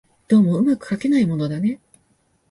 どうも巧くかけないものだね